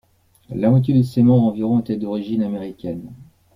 La moitié de ses membres environ était d'origine américaine.